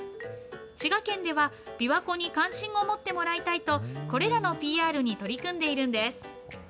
滋賀県ではびわ湖に関心を持ってもらいたいと、これらのＰＲに取り組んでいるんです。